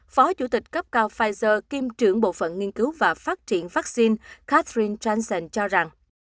phó chủ tịch cấp cao pfizer kim trưởng bộ phận nghiên cứu và phát triển vaccine catherine johnson cho rằng